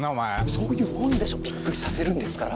そういうもんでしょびっくりさせるんですから。